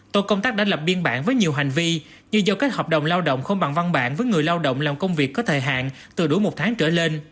tổ công tác đã lập biên bản với nhiều hành vi như do các hợp đồng lao động không bằng văn bản với người lao động làm công việc có thời hạn từ đủ một tháng trở lên